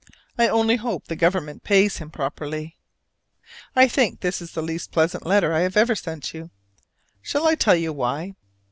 I only hope the Government pays him properly. I think this is the least pleasant letter I have ever sent you: shall I tell you why?